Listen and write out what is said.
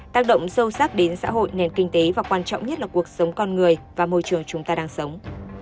tác động sâu sắc đến xã hội nền kinh tế và quan trọng nhất là cuộc sống con người và môi trường chúng ta đang sống